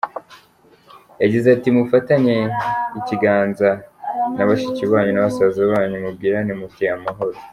Yagize ati “ Mufatane ikiganza na bashiki banyu na basaza banyu mubwirane muti ‘Amahoro’.